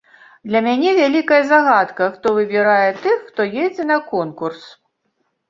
Для мяне вялікая загадка, хто выбірае тых, хто едзе на конкурс.